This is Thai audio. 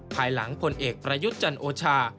ภายหลังผลเอกประยุทธ์จันโอชา